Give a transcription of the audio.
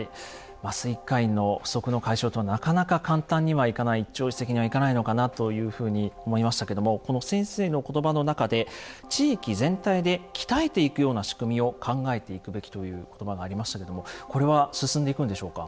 麻酔科医の不足の解消とはなかなか簡単にはいかない一朝一夕にはいかないのかなというふうに思いましたけどもこの先生の言葉の中で地域全体で鍛えていくような仕組みを考えていくべきという言葉がありましたけどもこれは進んでいくんでしょうか？